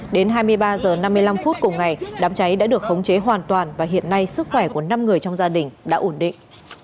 đến hai mươi ba h năm mươi năm phút cùng ngày đám cháy đã được khống chế hoàn toàn và hiện nay sức khỏe của năm người trong gia đình đã ổn định